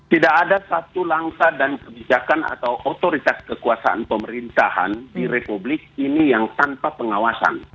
tidak ada satu langkah dan kebijakan atau otoritas kekuasaan pemerintahan di republik ini yang tanpa pengawasan